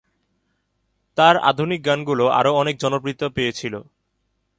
তার আধুনিক গানগুলো আরও অনেক জনপ্রিয়তা পেয়েছিল।